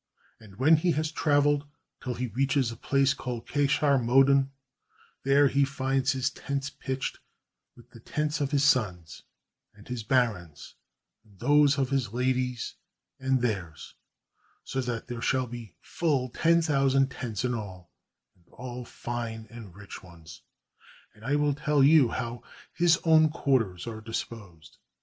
And when he has traveled till he reaches a place called Cachar Modun, there he finds his tents pitched, with the tents of his sons, and his barons, and those of his ladies and theirs, so that there shall be full ten thousand tents in all, and all fine and rich ones. And I will tell you how his own quarters are disposed.